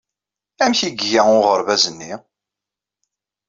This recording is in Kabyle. Amek ay iga uɣerbaz-nni?